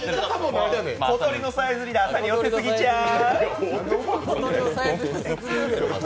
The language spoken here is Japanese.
小鳥のさえずりで、朝に寄せすぎちゃーう？